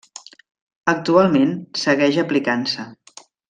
Actualment, segueix aplicant-se.